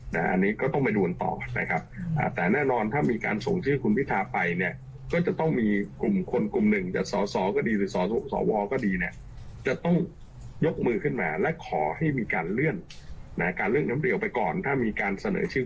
มีการเลือกออกไปเนี้ยก็เท่ากับว่ารัฐบาลเพื่อปริมาณการรักษาคารต่อไปเรื่อย